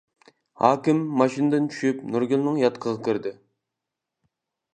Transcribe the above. ھاكىم ماشىنىدىن چۈشۈپ نۇرگۈلنىڭ ياتىقىغا كىردى.